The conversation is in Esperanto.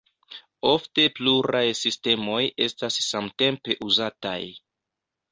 Ofte pluraj sistemoj estas samtempe uzataj.